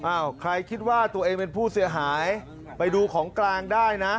ใครคิดว่าตัวเองเป็นผู้เสียหายไปดูของกลางได้นะ